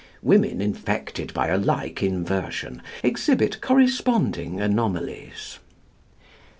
Women infected by a like inversion, exhibit corresponding anomalies.